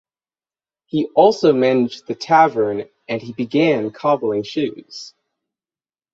He also managed the tavern and he began cobbling shoes.